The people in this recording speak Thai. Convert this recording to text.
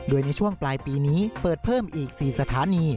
โดยในช่วงปลายปีนี้เปิดเพิ่มอีก๔สถานี